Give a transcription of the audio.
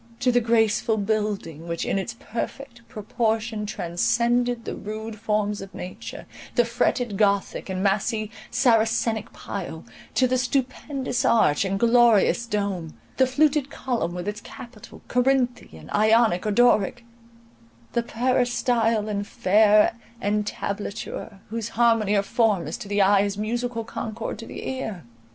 —to the graceful building, which in its perfect proportion transcended the rude forms of nature, the fretted gothic and massy saracenic pile, to the stupendous arch and glorious dome, the fluted column with its capital, Corinthian, Ionic, or Doric, the peristyle and fair entablature, whose harmony of form is to the eye as musical concord to the ear!